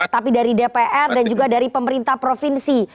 tapi dari dpr dan juga dari pemerintah provinsi